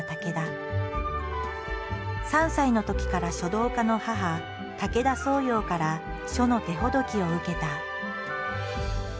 ３歳のときから書道家の母・武田双葉から書の手ほどきを受けた。